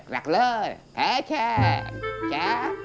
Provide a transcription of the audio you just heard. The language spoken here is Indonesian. kerak telur kaca kaca